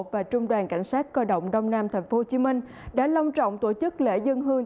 và trung đoàn cảnh sát cơ động đông nam tp hcm đã long trọng tổ chức lễ dân hương